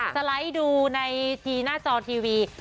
สไลด์ดูทีนาจอทีวี